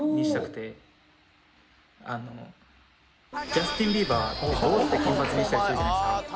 ジャスティン・ビーバーって坊主で金髪にしたりするじゃないですか。